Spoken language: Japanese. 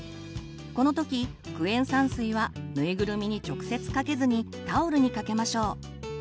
この時クエン酸水はぬいぐるみに直接かけずにタオルにかけましょう。